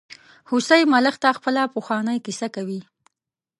هوسۍ ملخ ته خپله پخوانۍ کیسه کوي.